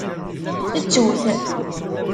Ttu-t.